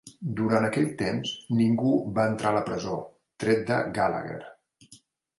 Durant aquell temps, ningú va entrar a la presó, tret de Gallagher.